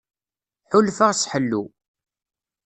Ḥulfaɣ s ḥellu.